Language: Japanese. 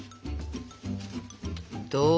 どう？